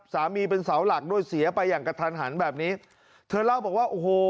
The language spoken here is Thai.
สามีเป็นเสาหลักด้วยเสียไปอย่างกระทันหันแบบนี้เธอเล่าบอกว่าโอ้โห